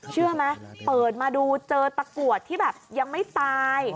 เชื่อไหมเปิดมาดูเจอตะกรวดที่แบบยังไม่ตาย